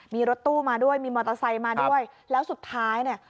มีรถตู้มาด้วยมีมอเตอร์ไซค์มาด้วยแล้วสุดท้ายเนี่ย